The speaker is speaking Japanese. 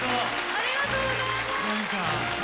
ありがとうございます。